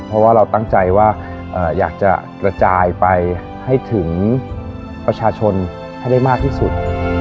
เพราะว่าเราตั้งใจว่าอยากจะกระจายไปให้ถึงประชาชนให้ได้มากที่สุด